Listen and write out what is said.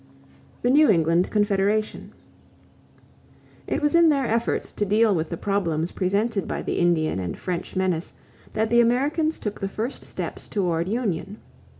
=The New England Confederation.= It was in their efforts to deal with the problems presented by the Indian and French menace that the Americans took the first steps toward union.